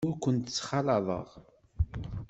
Ur kent-ttxalaḍeɣ.